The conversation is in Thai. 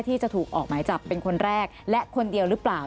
ที่จะถูกออกหมายจับเป็นคนแรกและคนเดียวหรือเปล่า